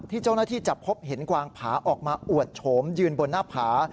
เจ้าหน้าที่จะพบเห็นกวางผาออกมาอวดโฉมยืนบนหน้าผา